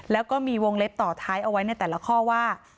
แล้วก็มีวงเล็บต่อท้ายเอาไว้ในแต่ละข้อว่า